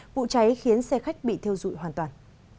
vụ cháy khiến xe khách bị theo dụi hoàn toàn